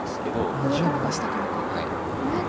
上からか下からか。